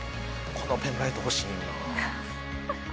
このペンライト欲しいなあ。